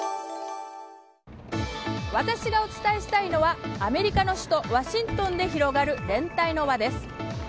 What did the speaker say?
私がお伝えしたいのはアメリカの首都ワシントンで広がる連帯の輪です。